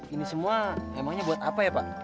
ini semua emangnya buat apa ya pak